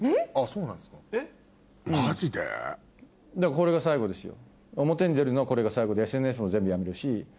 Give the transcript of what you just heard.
これが最後ですよ。